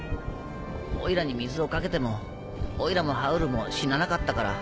オイラに水をかけてもオイラもハウルも死ななかったから。